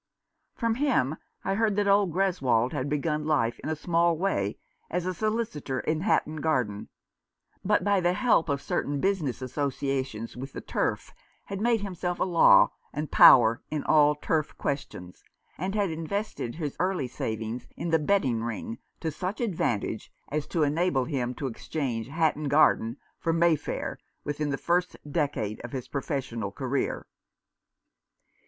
From him I heard that old Greswold had begun life in a small way as a solicitor in Hatton Garden, but by the help of certain business associations with the turf had made himself a law and power in all turf questions, and had invested his early savings in the betting Ring to such advantage as to enable him to exchange Hatton Garden for Mayfair within the first decade of his professional career.